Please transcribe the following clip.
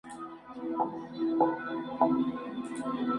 Juega para Tampa Bay Rays y su posición habitual es campocorto.